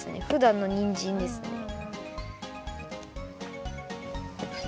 ふだんのにんじんですね。